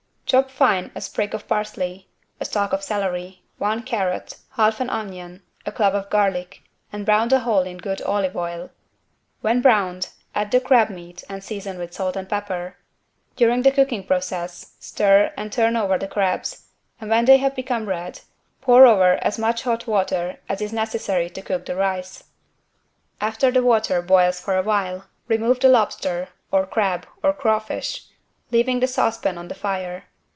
Chop fine a sprig of parsley, a stalk of celery, one carrot, half an onion a clove of garlic and brown the whole in good olive oil. When browned, add the crab meat and season with salt and pepper. During the cooking process stir and turn over the crabs, and when they have become red, pour over as much hot water as is necessary to cook the rice. After the water boils for a while, remove the lobster (or crab, or craw fish) leaving the saucepan on the fire.